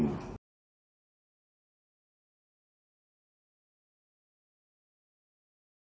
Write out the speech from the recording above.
keputusan tersebut sejalan dengan upaya membawa inflasi menuju pada level delapan